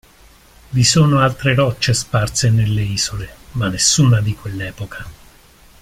Vi sono altre rocce sparse nelle isole ma nessuna di quell'epoca.